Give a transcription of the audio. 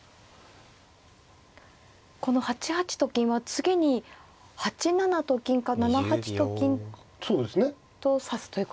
この８八と金は次に８七と金か７八と金と指すということですね。